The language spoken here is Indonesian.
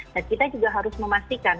dan kita juga harus memastikan